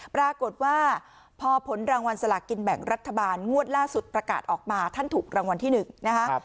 ปรากฏว่าพอผลรางวัลสลากินแบ่งรัฐบาลงวดล่าสุดประกาศออกมาท่านถูกรางวัลที่๑นะคะ